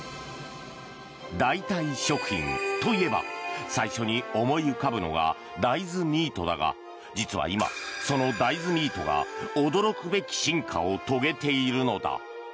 代替食品といえば最初に思い浮かぶのが大豆ミートだが実は今、その大豆ミートが驚くべき進化を遂げているのだ。